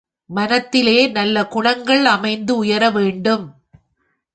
மனத்திலே நல்ல குணங்கள் அமைந்து உயர வேண்டும்.